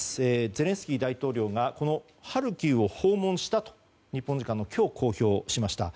ゼレンスキー大統領がハルキウを訪問したと日本時間の今日公表しました。